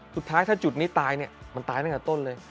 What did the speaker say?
สุดท้ายถ้าจุดนี้ตายเนี่ยมันตายตั้งแต่ต้นเลย